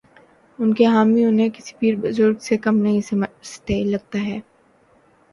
ان کے حامی انہیں کسی پیر بزرگ سے کم نہیں سمجھتے، لگتا ہے۔